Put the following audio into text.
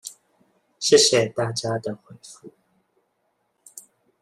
謝謝大家的回覆